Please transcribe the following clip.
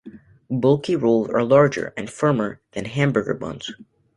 Bulkie rolls are larger and firmer than hamburger buns.